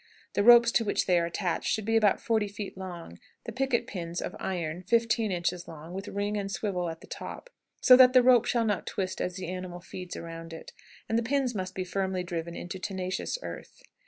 The ropes to which they are attached should be about forty feet long; the picket pins, of iron, fifteen inches long, with ring and swivel at top, so that the rope shall not twist as the animal feeds around it; and the pins must be firmly driven into tenacious earth.